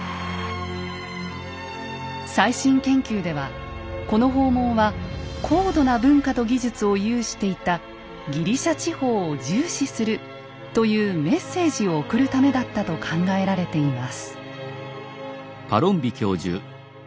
最新研究ではこの訪問は高度な文化と技術を有していたギリシャ地方を重視するというメッセージを送るためだったと考えられています。